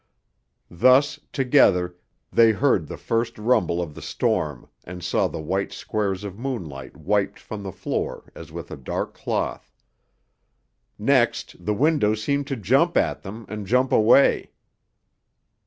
Thus, together, they heard the first rumble of the storm and saw the white squares of moonlight wiped from the floor as with a dark cloth. Next, the windows seemed to jump at them and jump away.